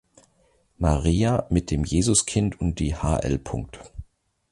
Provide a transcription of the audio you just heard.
Maria mit dem Jesuskind und die Hl.